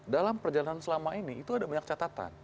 dalam perjalanan selama ini itu ada banyak catatan